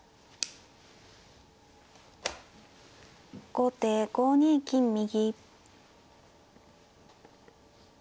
後手５二金右。